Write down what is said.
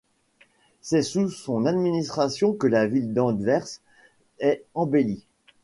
C'est sous son administration que la ville d'Anvers est embellie.